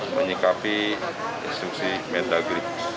menyikapi instruksi medagri